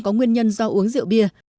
có nguyên nhân do uống rượu bia